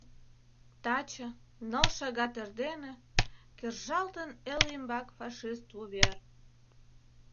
Таче, ныл шагат эрдене, Кержалтын эл ӱмбак фашист-вувер!..»